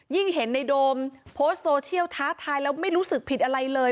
เห็นในโดมโพสต์โซเชียลท้าทายแล้วไม่รู้สึกผิดอะไรเลย